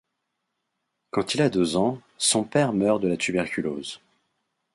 Quand il a deux ans, son père meurt de la tuberculose.